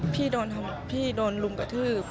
พี่โดนรุมกระทืบ